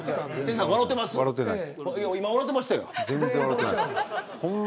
今、笑ってましたやん。